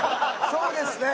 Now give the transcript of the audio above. そうですね。